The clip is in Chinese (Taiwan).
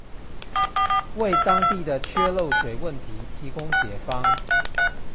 為當地的缺漏水問題提供解方